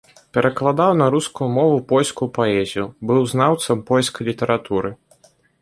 Перакладаў на рускую мову польскую паэзію, быў знаўцам польскай літаратуры.